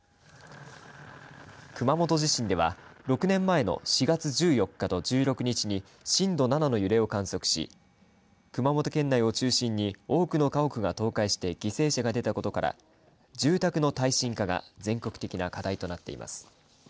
熊本地震では６年前の４月１４日と１６日に震度７の揺れを観測し熊本県内を中心に多くの家屋が倒壊して犠牲者が出たことから住宅の耐震化が全国的な課題となっています。